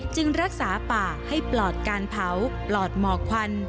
รักษาป่าให้ปลอดการเผาปลอดหมอกควัน